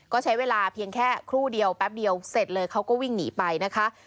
ก็ใช้เวลาเพียงแค่ครู่เดียวแป๊บเดียวเสร็จเลยเขาก็วิ่งหนีไปนะคะ